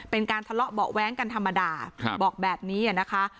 เป็นการทะเลาะเบาะแว้งกันธรรมดาบอกแบบนี้นะคะ